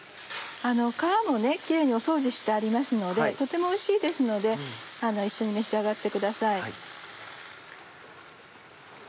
皮もねキレイにお掃除してありますのでとてもおいしいですので一緒に召し上がってください。